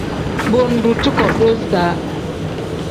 Bo ngdu cuko doozi da.